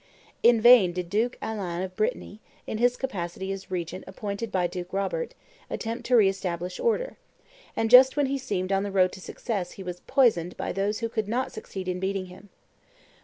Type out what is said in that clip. In vain did Duke Alain of Brittany, in his capacity as regent appointed by Duke Robert, attempt to re establish order; and just when he seemed on the road to success he was poisoned by those who could not succeed in beating him.